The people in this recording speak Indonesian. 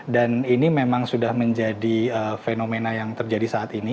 dan ini memang sudah menjadi fenomena yang terjadi saat ini